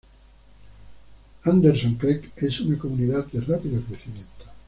Anderson Creek es una comunidad de rápido crecimiento.